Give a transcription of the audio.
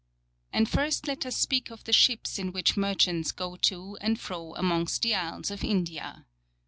And first let us speak of the ships in which merchants go to and fro amongst the Isles of India.